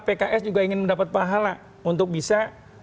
pks juga ingin mendapat pahala untuk bisa